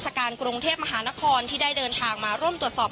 การกรุงเทพมหานครที่ได้เดินทางมาร่วมตรวจสอบ